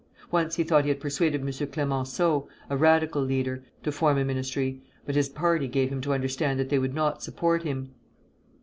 Once he thought he had persuaded M. Clemenceau, a Radical leader, to form a ministry; but his party gave him to understand that they would not support him.